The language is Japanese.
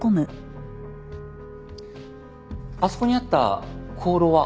あそこにあった香炉は？